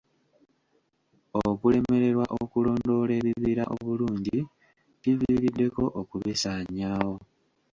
Okulemererwa okulondoola ebibira obulungi kiviiriddeko okubisaanyaawo.